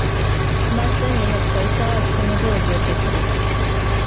ئۇقماستىن يېنىپ قويسا، كۆمىدۇ گۆرگە تىرىك.